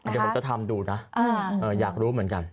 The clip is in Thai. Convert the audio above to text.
เดี๋ยวผมจะทำดูนะอยากรู้เหมือนกัน